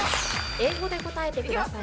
［英語で答えてください］